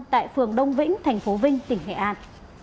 tại phường đông vĩnh tp vinh tỉnh hệ an